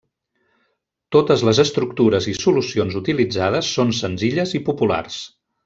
Totes les estructures i solucions utilitzades són senzilles i populars.